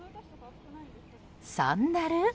サンダル？